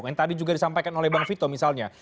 yang tadi juga disampaikan oleh bang vito misalnya